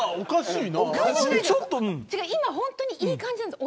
今、本当にいい感じなんです。